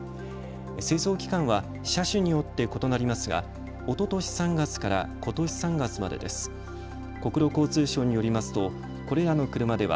製造期間は車種によって異なりますがおととし３月からことし３月までです。